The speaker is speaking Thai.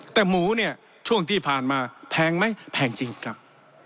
แต่หมูเนี่ยช่วงที่ผ่านมาแพงไหมแพงจริงครับ